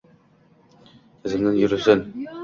— Izimdan yurilsin!